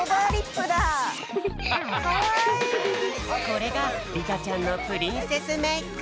これがりたちゃんのプリンセスメーク！